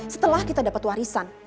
setelah kita dapet warisan